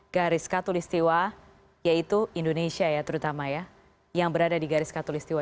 garis katul istiwa yaitu indonesia ya terutama ya yang berada di garis katul istiwa